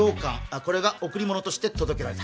これが贈り物として届けられた